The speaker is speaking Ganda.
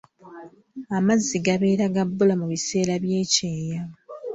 Amazzi gabeera ga bbula mu biseera by'ekyeya.